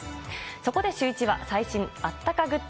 そこでシューイチは、最新あったかグッズ